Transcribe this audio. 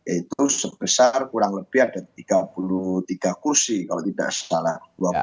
itu sebesar kurang lebih ada tiga puluh tiga kursi kalau tidak salah